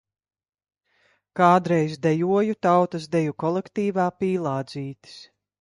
Kādreiz dejoju tautas deju kolektīvā “Pīlādzītis”.